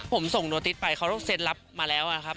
ผมส่งโนติสไปเขาเซ็นรับมาแล้วนะครับ